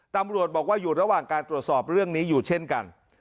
ตำรวจบอกว่าอยู่ระหว่างการตรวจสอบเรื่องนี้อยู่เช่นกัน